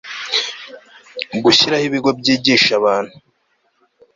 Gushyiraho ibigo byigisha abantu